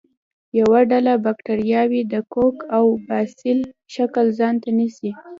یوه ډله باکتریاوې د کوک او باسیل شکل ځانته نیسي.